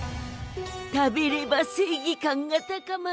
食べれば正義感が高まる。